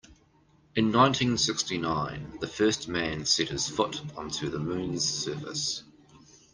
In nineteen-sixty-nine the first man set his foot onto the moon's surface.